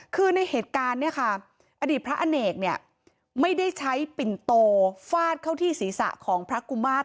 คือในเหตุการณ์เนี่ยค่ะอดีตพระอเนกเนี่ยไม่ได้ใช้ปิ่นโตฟาดเข้าที่ศีรษะของพระกุมาตร